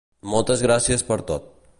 Moltes gràcies per tot.